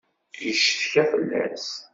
Yeccetka fell-as.